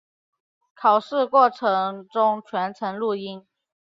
考试过程中全程录音。